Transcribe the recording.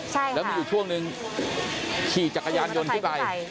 ใช่แล้วมีอยู่ช่วงนึงขี่จักรยานยนต์ขึ้นไป